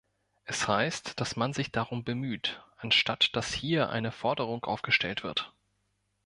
Es heißt, dass man sich darum bemüht, anstatt dass hier eine Forderung aufgestellt wird.